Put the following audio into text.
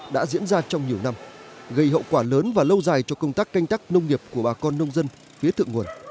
đã diễn ra trong nhiều năm gây hậu quả lớn và lâu dài cho công tác canh tác nông nghiệp của bà con nông dân phía thượng nguồn